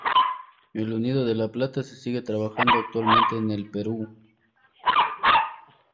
El unido de la plata se sigue trabajando actualmente en el Perú